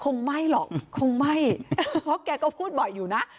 ไหม้หรอกคงไหม้เพราะแกก็พูดบ่อยอยู่นะ